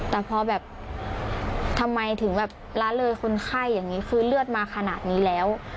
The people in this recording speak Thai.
แต่พอแบบทำไมถึงแบบละเลยคนไข้อย่างนี้คือเลือดมาขนาดนี้แล้ว